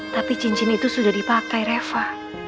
tapi cincin itu sudah dipakai reva